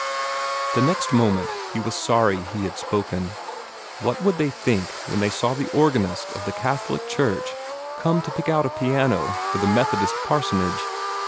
The next moment he was sorry he had spoken. What would they think when they saw the organist of the Catholic church come to pick out a piano for the Methodist parsonage?